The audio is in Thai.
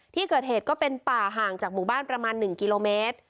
ที่เกิดเหตุก็เป็นป่าห่างจากหมู่บ้านประมาณ๑กิโลเมตร